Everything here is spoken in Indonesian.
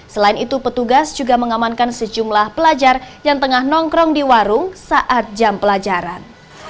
selain itu petugas juga mengamankan sejumlah pelajar yang tengah nongkrong di warung saat jam pelajaran